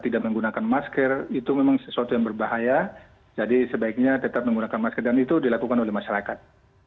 tidak menggunakan masker itu memang sesuatu yang berbahaya jadi sebaiknya tetap menggunakan masker dan itu dilakukan oleh masyarakat